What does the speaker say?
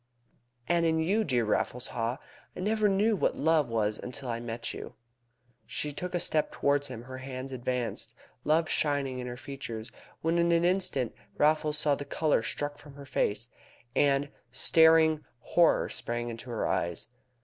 "And I in you, dear Raffles! I never knew what love was until I met you." She took a step towards him, her hands advanced, love shining in her features, when in an instant Raffles saw the colour struck from her face, and a staring horror spring into her eyes.